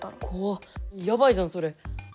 怖っやばいじゃんそれ。